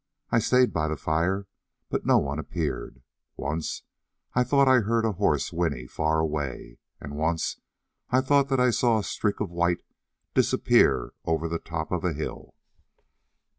I stayed by the fire, but no one appeared. Once I thought I heard a horse whinny far away, and once I thought that I saw a streak of white disappear over the top of a hill."